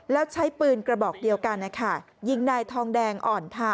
แล้วใช้ปืนกระบอกเดียวกันนะคะยิงนายทองแดงอ่อนทา